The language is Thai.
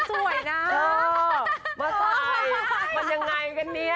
สวยนะเออใส่มันยังไงกันเนี่ย